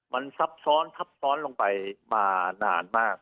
มันซับซ้อนทับซ้อนลงไปมานานมาก